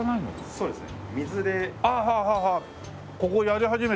そうですよね。